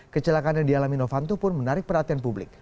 kecelakaan yang dialami novanto pun menarik perhatian publik